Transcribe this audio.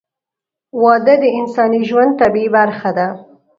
• واده د انساني ژوند طبیعي برخه ده.